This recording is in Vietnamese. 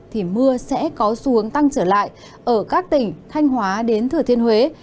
thì mưa sẽ có xu hướng tăng trở lại ở các tỉnh thanh hóa đến thửa thiên huế